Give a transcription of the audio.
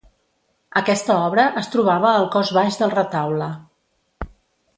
Aquesta obra es trobava al cos baix del retaule.